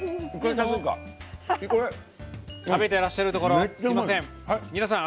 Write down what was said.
食べてらっしゃるところすみません。